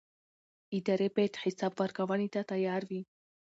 ادارې باید حساب ورکونې ته تیار وي